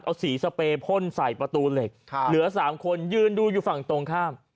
เอาสีสเปรยพ่นใส่ประตูเหล็กเหลือ๓คนยืนดูอยู่ฝั่งตรงข้าม